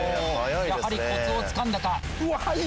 やはりコツをつかんだか。